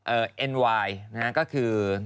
เอ่อเอ็นวายนะฮะก็คือ